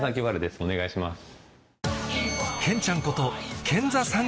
お願いします。